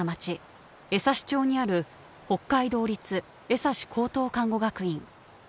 江差町にある北海道立江差高等看護学院。